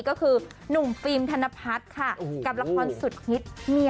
ก็คือหนุ่มฟิล์มธนพัฒน์ค่ะกับละครสุดฮิต